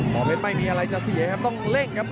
พอเพชรไม่มีอะไรจะเสียครับต้องเร่งครับ